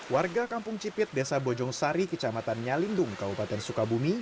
warga kampung cipit desa bojong sari kecamatan nyalindung kabupaten sukabumi